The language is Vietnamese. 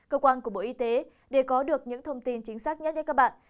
cơ quan của bộ y tế để có được những thông tin chính xác nhất với các bạn